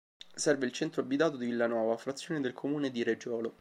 Serve il centro abitato di Villanova, frazione del comune di Reggiolo.